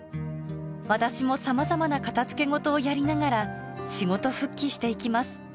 私もさまざまな片づけ事をやりながら、仕事復帰していきます。